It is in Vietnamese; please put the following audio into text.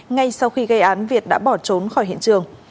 ngay sau khi gây án việt đã bỏ trốn khỏi hiện trường